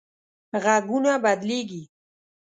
غږونه بدلېږي